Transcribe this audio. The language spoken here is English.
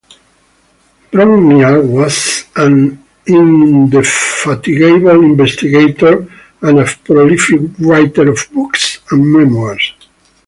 Brongniart was an indefatigable investigator and a prolific writer of books and memoirs.